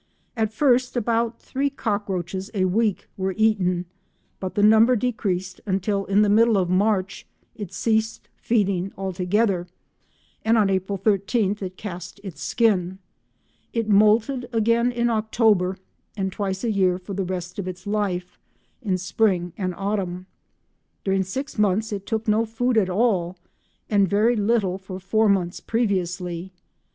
At first about three cockroaches a week were eaten but the number decreased until, in the middle of March it ceased feeding altogether, and on April 13 it cast its skin. It moulted again in October, and twice a year for the rest of its life—in spring and autumn. During six months it took no food at all, and very little for four months previously.